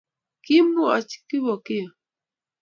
Kimwoch Kipokeo